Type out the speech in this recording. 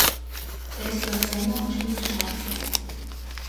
Er ist dort Sänger und spielt Schlagzeug.